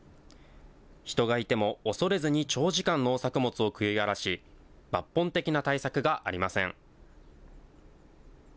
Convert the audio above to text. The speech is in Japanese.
人がいても恐れずに長時間、農作物を食い荒らし、抜本的な対策がありません。